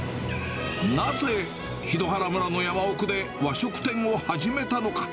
なぜ檜原村の山奥で和食店を始めたのか。